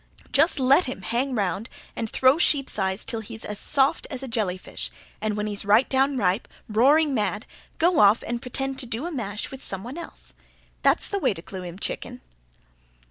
Just let him hang round, and throw sheep's eyes, till he's as soft as a jellyfish, and when he's right down ripe, roaring mad, go off and pretend to do a mash with some one else. That's the way to glue him, chicken."